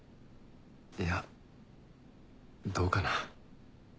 いやどうかな。